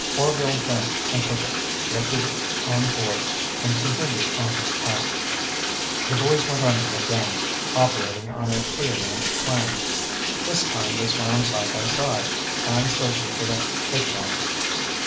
Orvil bent and took it, lifted it on board, and continued on his path. The boys went under again, operating on a prearranged plan. This time they swam side by side, hands searching for the fish line.